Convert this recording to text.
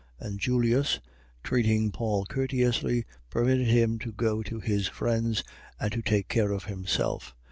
And Julius, treating Paul courteously, permitted him to go to his friends and to take care of himself.